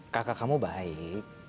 kakak kamu baik